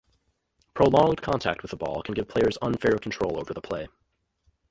Prolonged contact with the ball can give players unfair control over the play.